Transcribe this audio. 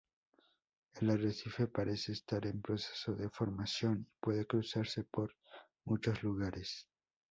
El arrecife parece estar en proceso de formación y puede cruzarse por muchos lugares.